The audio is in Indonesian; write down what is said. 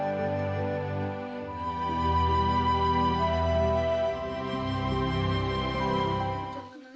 ini yang harus diberikan pak